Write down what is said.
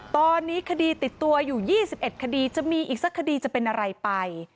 ตอนนี้คดีติดตัวอยู่๒๑คดีจะมีอีกสักคดีจะเป็นอะไรไป